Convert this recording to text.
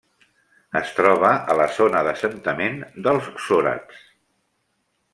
Es troba a la zona d'assentament dels sòrabs.